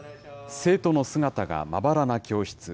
生徒の姿がまばらな教室。